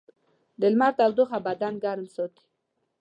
د لمر تودوخه بدن ګرم ساتي.